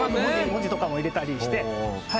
文字とか入れたりして。